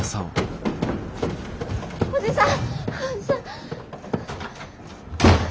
おじさん！